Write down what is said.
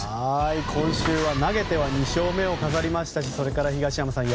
今週は投げては２勝目を飾りましたしそれから東山さん